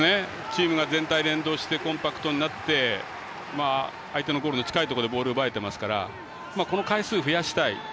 チームが全体、連動してコンパクトになって相手のゴールの近いところでボールが奪えてますからこの回数、増やしたい。